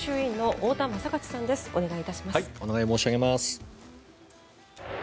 お願い申し上げます。